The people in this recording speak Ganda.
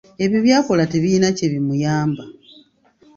Ebyo byakola tebirina kye bimuyamba.